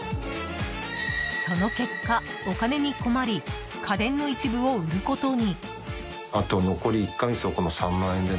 その結果お金に困り家電の一部を売ることに。